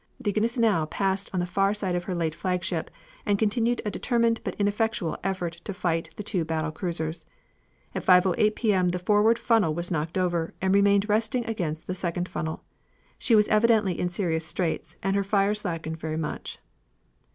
The Gneisenau passed on the far side of her late flagship, and continued a determined, but ineffectual, effort to fight the two battle cruisers. At 5.08 P. M. the forward funnel was knocked over, and remained resting against the second funnel. She was evidently in serious straits, and her fire slackened very much.